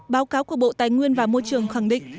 báo cáo của bộ tài nguyên và môi trường khẳng định